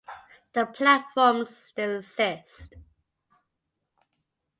The platforms still exist.